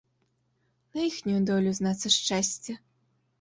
На іхнюю долю, знацца, шчасце.